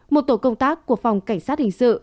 một tổ công tác của phòng cảnh sát hình sự